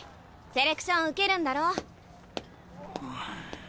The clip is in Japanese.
セレクション受けるんだろ？